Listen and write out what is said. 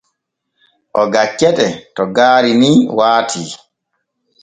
O gaccete to gaari ni waati.